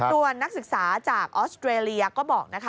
ส่วนนักศึกษาจากออสเตรเลียก็บอกนะคะ